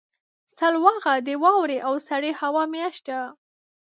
سلواغه د واورې او سړې هوا میاشت ده.